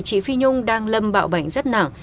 chị phi nhung đang lâm bạo bệnh rất nặng